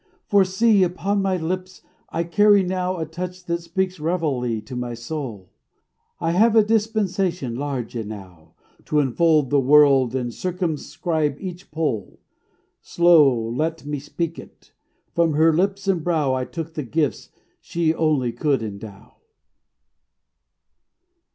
For, see: upon my lips I carry now A touch that speaks reveille to my soul; I have a dispensation large enow To enfold the world and circumscribe each pole. Slow let me speak it: From her lips and brow I took the gifts she only could endow.